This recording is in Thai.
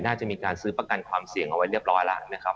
น่าจะมีการซื้อประกันความเสี่ยงเอาไว้เรียบร้อยแล้วนะครับ